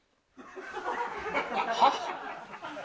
はっ？